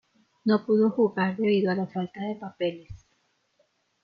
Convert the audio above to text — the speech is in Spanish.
No pudo jugar debido a la falta de papeles.